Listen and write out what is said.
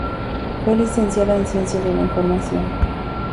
Fue licenciada en Ciencias de la Información.